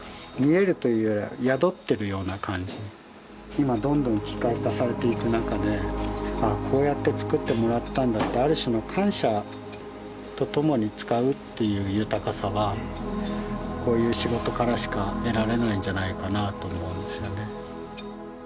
今どんどん機械化されていく中で「ああこうやってつくってもらったんだ」ってある種の感謝とともに使うっていう豊かさはこういう仕事からしか得られないんじゃないかなと思うんですよね。